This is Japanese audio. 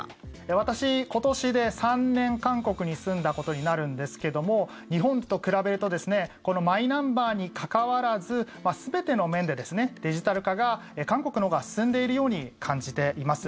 私、今年で３年韓国に住んだことになるんですが日本と比べるとマイナンバーに関わらず全ての面でデジタル化が韓国のほうが進んでいるように感じています。